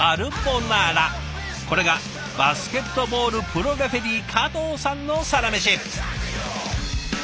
これがバスケットボールプロレフェリー加藤さんのサラメシ。